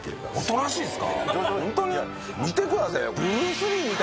見てくださいよ。